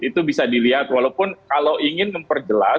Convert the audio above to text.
itu bisa dilihat walaupun kalau ingin memperjelas